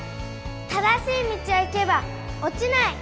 正しい道を行けばおちない。